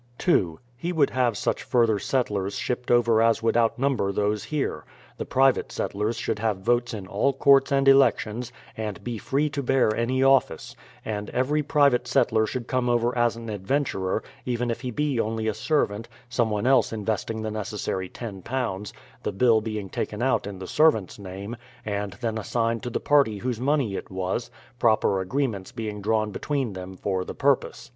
2. He would have such further settlers shipped over as would out number those here; the private settlers should have votes in all courts and elections, and be free to bear any office; and every private settler should come over as an adventurer, even if he be only a servant, someone else investing the necessary £io, the bill being taken out in the servant's name, and then assigned to the party whose money it was, proper agreements being drawn between them for the purpose.